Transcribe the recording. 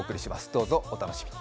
どうぞお楽しみに。